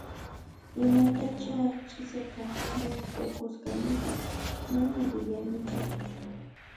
Imatachá ch'isiqa musqhukusqanipas, mana yuyanichu